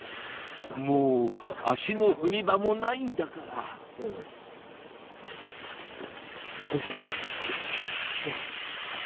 もう足の踏み場もないんだからよいしょ。